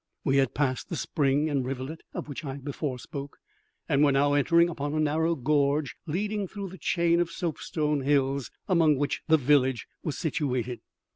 We had passed the spring and rivulet of which I before spoke, and were now entering upon a narrow gorge leading through the chain of soapstone hills among which the village was situated.